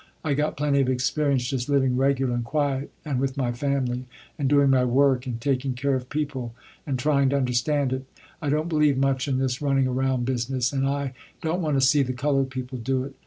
I got plenty of experience just living regular and quiet and with my family, and doing my work, and taking care of people, and trying to understand it. I don't believe much in this running around business and I don't want to see the colored people do it.